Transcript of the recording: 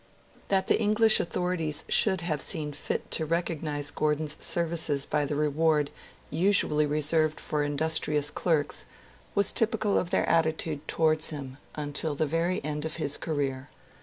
That the English authorities should have seen fit to recognise Gordon's services by the reward usually reserved for industrious clerks was typical of their attitude towards him until the very end of his career.